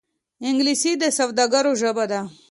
انګلیسي د سوداګرو ژبه ده